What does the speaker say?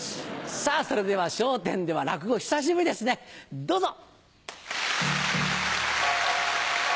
さぁそれでは『笑点』では落語久しぶりですねどうぞ！